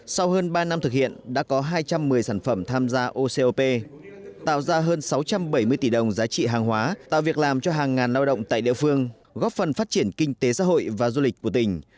sau hơn ba năm thực hiện đã có hai trăm một mươi sản phẩm tham gia ocop tạo ra hơn sáu trăm bảy mươi tỷ đồng giá trị hàng hóa tạo việc làm cho hàng ngàn lao động tại địa phương góp phần phát triển kinh tế xã hội và du lịch của tỉnh